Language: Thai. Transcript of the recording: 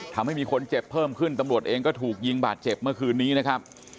ทำให้มีคนเจ็บเพิ่มขึ้นตำรวจเองก็ถูกยิงบาดเจ็บเมื่อคืนนี้นะครับ